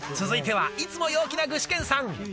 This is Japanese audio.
続いてはいつも陽気な具志堅さん。